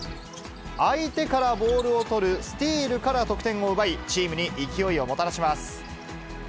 相手からボールを取るスティールから得点を奪い、チームに勢いをもたらします。